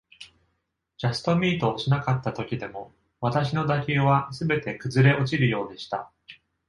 ジャストミートしなかったときでも、私の打球はすべて崩れ落ちるようでした。